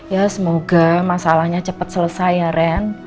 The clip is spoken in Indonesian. ya semoga masalahnya cepat selesai ya ren